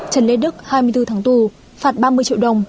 trần lê đức hai mươi bốn tháng tù phạt ba mươi triệu đồng